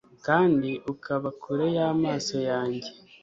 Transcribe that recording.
kandi ukaba kure y'amaso yanjye